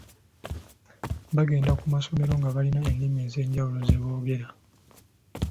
Bagenda ku masomero nga balina ennimi ez’enjawulo ze boogera.